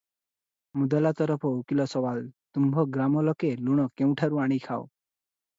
ମୁଦାଲା ତରଫ ଉକୀଲ ସୱାଲ - ତୁମ୍ଭ ଗ୍ରାମ ଲୋକେ ଲୁଣ କେଉଁଠାରୁ ଆଣି ଖାଅ?